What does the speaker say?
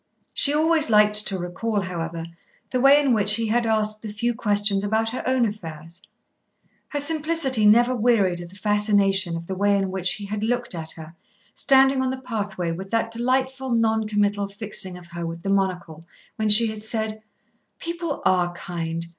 She always liked to recall, however, the way in which he had asked the few questions about her own affairs. Her simplicity never wearied of the fascination of the way in which he had looked at her, standing on the pathway, with that delightful non committal fixing of her with the monocle when she had said: "People are kind.